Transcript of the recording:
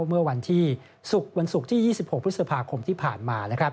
เมื่อวันที่ศุกร์วันศุกร์ที่๒๖พฤษภาคมที่ผ่านมา